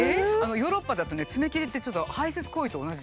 ヨーロッパだとねツメ切りってちょっと排せつ行為と同じ。